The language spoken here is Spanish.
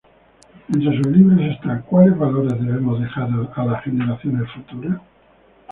Entre sus libros está "¿Cuáles Valores Debemos Dejar a las Generaciones Futuras?